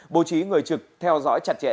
bộ trí người trực theo dõi chặt chẽ